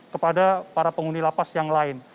kepada para penghuni lapas yang lain